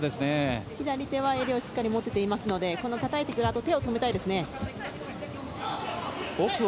左手はしっかり襟を持てていますのでたたいてくる手を止めたいですね。